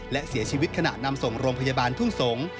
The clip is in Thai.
และเสียชีวิตขณะนำส่งโรงพยาบาลทุ่งสงศ์